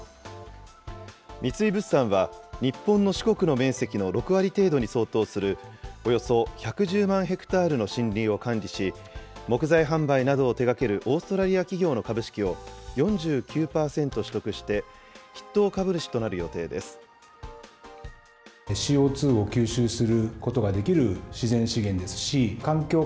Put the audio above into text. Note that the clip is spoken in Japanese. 三井物産は、日本の四国の面積の６割程度に相当するおよそ１１０万ヘクタールの森林を管理し、木材販売などを手がけるオーストラリア企業の株式を４９％取得して、筆頭株主となる予定です。